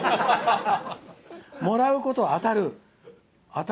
もらうことを「あたる」。